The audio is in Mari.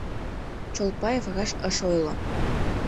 Чолпаев раш ыш ойло.